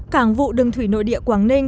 cảng vụ đường thủy nội địa quảng ninh